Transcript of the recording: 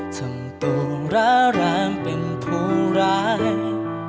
ทำตัวร้าแรงเป็นผู้ร้าย